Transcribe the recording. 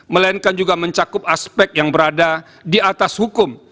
melainkan juga mencakup aspek yang berada di atas hukum